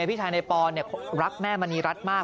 แม่พรี่ชายในปรรับแม่มารีรัสมาก